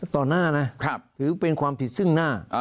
หน้านะถือเป็นความผิดซึ่งหน้า